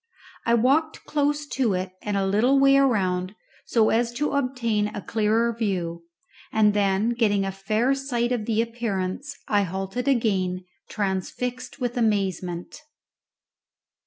I walked close to it and a little way around so as to obtain a clearer view, and then getting a fair sight of the appearance I halted again, transfixed with amazement.